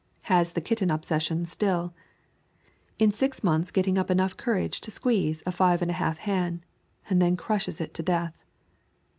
Has the kitten obsession still. Is six months getting up enough courage to squeeze a five and a half hand, and then crushes it to death.